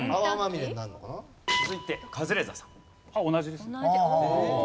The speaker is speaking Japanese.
同じですね。